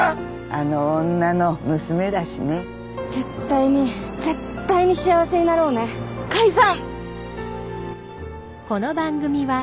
あの女の娘だしね絶対に絶対に幸せになろうね解散！